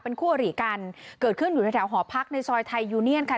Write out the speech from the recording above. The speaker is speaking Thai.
คู่อริกันเกิดขึ้นอยู่ในแถวหอพักในซอยไทยยูเนียนค่ะ